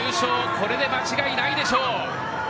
これで間違いないでしょう。